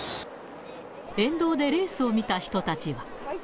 沿道でレースを見た人たちは。